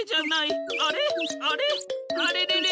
あれれれ？